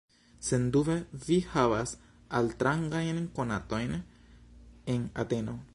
Sendube vi havas altrangajn konatojn en Ateno?